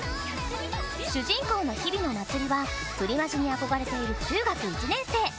主人公の陽比野まつりはプリマジに憧れている中学１年生。